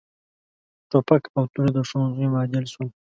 ټوپک او توره د ښوونځیو معادل شول.